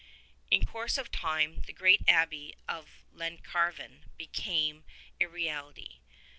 122 In course of time the great Abbey of Llancarvan became a reality.